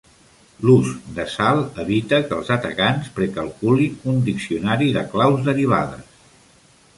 L'ús de sal evita que els atacants pre-calculin un diccionari de claus derivades.